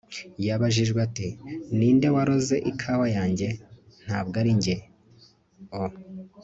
yabajije ati 'ninde waroze ikawa yanjye?' 'ntabwo ari njye - o